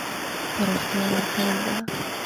پراختیا ورکول ده.